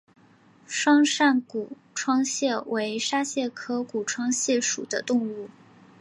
双扇股窗蟹为沙蟹科股窗蟹属的动物。